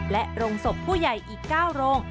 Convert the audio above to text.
และโรงศพผู้ใหญ่อีก๙โรง